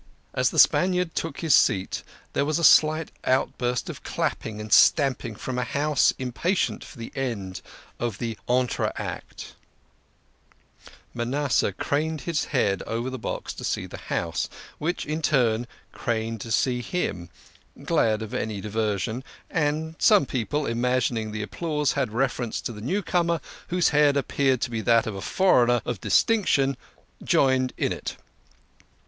As the Spaniard took his seat there was a slight outburst of clapping and stamping from a house impatient for the end of the entr'acte. Manasseh craned his head over the box to see the house, which in turn craned to see him, glad of any diversion, and some people, imagining the applause had reference to the 62 THE KING OF SCHNORRERS. new comer, whose head appeared to be that of a foreigner of distinction, joined in it.